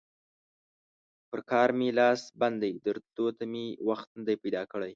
پر کار مې لاس بند دی؛ درتلو ته مې وخت نه دی پیدا کړی.